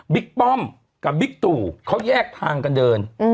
ป้อมกับบิ๊กตู่เขาแยกทางกันเดิน